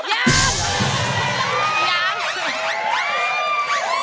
ยัง